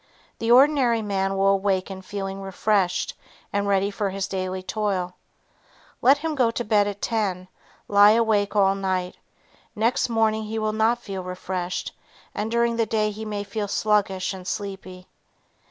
The ordinary man will awaken feeling refreshed and ready for his daily toil. Let him go to bed at ten, lie awake all night, next morning he will not feel refreshed and during the day he may feel sluggish and sleepy.